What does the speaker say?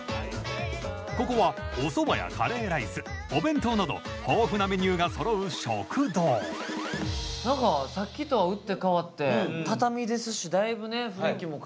ここはおそばやカレーライスお弁当など豊富なメニューがそろう食堂何かさっきとは打って変わって畳ですしだいぶね雰囲気も変わりますね。